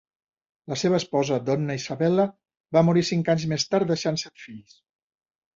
La seva esposa, Donna Isabella va morir cinc anys més tard deixant set fills.